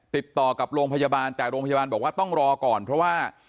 ติดต่อกับโรงพยาบาลแต่โรงพยาบาลบอกว่าต้องรอก่อนเพราะว่า